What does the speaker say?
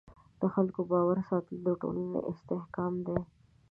د خلکو باور ساتل د ټولنې استحکام دی.